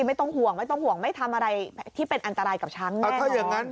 ไม่ต้องห่วงไม่ทำอะไรที่เป็นอันตรายกับช้างแน่นอน